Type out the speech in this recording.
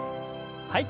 はい。